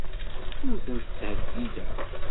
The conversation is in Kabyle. Ur ten-ttḥeddideɣ.